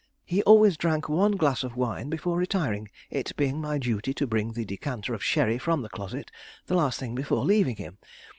He always drank one glass of wine before retiring, it being my duty to bring the decanter of sherry from the closet the last thing before leaving him.